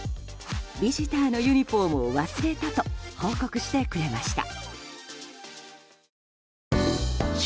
ビジターのユニホームを忘れたと報告してくれました。